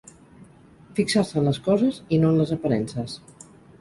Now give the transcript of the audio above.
Fixar-se en les coses i no en les aparences.